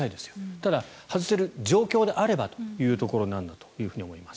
ただ、外せる状況であればということなんだと思います。